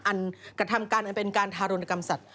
อันกระทำการอันเป็นการทารุณกรรมสัตว